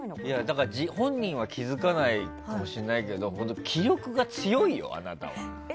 だから、本人は気づかないかもしれないけど気力が強いよ、あなたは。